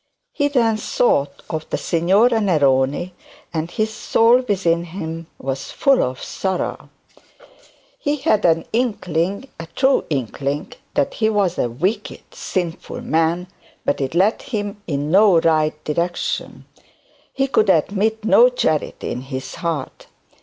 He then thought of the Signora Neroni, and his soul within him was full of sorrow. He had an inkling a true inkling that he was a wicked sinful man; but it led him in no right direction; he could admit no charity in his heart.